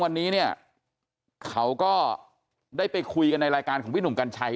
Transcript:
วันนี้เนี่ยเขาก็ได้ไปคุยกันในรายการของพี่หนุ่มกัญชัย